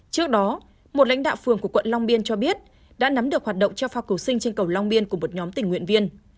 trước đó một lãnh đạo phường của quận long biên cho biết đã nắm được hoạt động cho phao cổ sinh trên cầu long biên của một nhóm tình nguyện viên